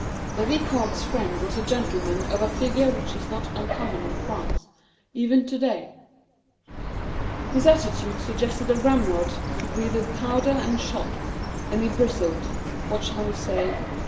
The Vicomte's friend was a gentleman of a figure which is not uncommon in France, even to day. His attitude suggested a ramrod, he breathed powder and shot; and he bristled what shall we say?